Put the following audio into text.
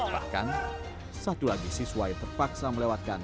bahkan satu lagi siswa yang terpaksa melewatkan